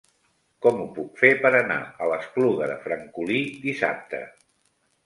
Com ho puc fer per anar a l'Espluga de Francolí dissabte?